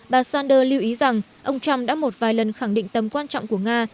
bà sanders lưu ý rằng ông trump đã một vài lần khẳng định tầm quan trọng của nga